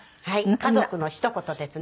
家族のひと言ですね。